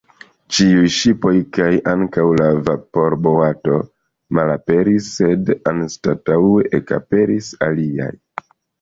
Ĉiuj ŝipoj kaj ankaŭ la vaporboato malaperis, sed anstataŭe ekaperis aliaj.